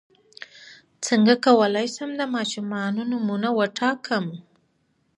څنګه کولی شم د ماشومانو نومونه وټاکم